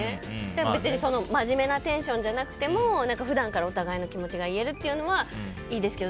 別に真面目なテンションじゃなくても普段からお互いの気持ちが言えるというのがいいですけど。